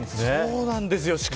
そうなんですよ。